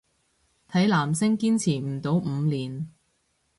睇男星堅持唔過五年